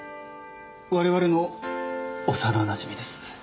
我々の幼なじみです。